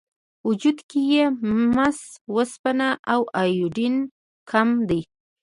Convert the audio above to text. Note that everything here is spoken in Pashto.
وجود کې یې مس، وسپنه او ایودین کم دي.